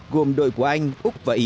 gồm đội của anh úc và ý